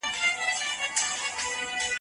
خوشحالي ستاسو ده.